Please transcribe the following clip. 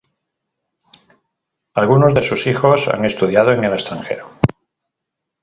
Algunos de sus hijos han estudiado en el extranjero.